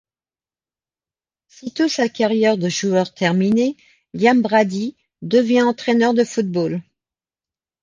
Sitôt sa carrière de joueur terminée, Liam Brady devient entraineur de football.